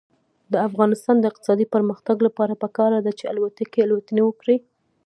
د افغانستان د اقتصادي پرمختګ لپاره پکار ده چې الوتکې الوتنې وکړي.